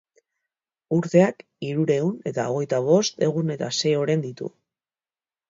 Urteak hirurehun eta hirurogeita bost egun eta sei oren ditu,.